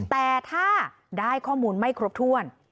แต่ถ้าได้ข้อมูลไม่ครบถ้วน